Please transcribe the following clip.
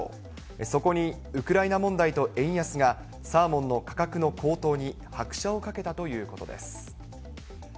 そこにウクライナ問題と円安がサーモンの価格の高騰に拍車をかけたということです。